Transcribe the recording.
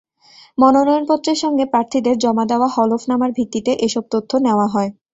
মনোনয়নপত্রের সঙ্গে প্রার্থীদের জমা দেওয়া হলফনামার ভিত্তিতে এসব তথ্য নেওয়া হয়।